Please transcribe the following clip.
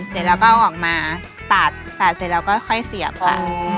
เสร็จแล้วก็เอาออกมาตัดตัดเสร็จแล้วก็ค่อยเสียบค่ะ